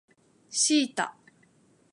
シータ